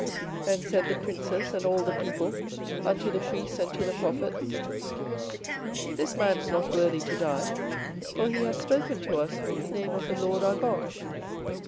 24:026:016 Then said the princes and all the people unto the priests and to the prophets; This man is not worthy to die: for he hath spoken to us in the name of the LORD our God.